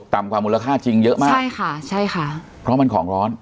กว่ามูลค่าจริงเยอะมากใช่ค่ะใช่ค่ะเพราะมันของร้อน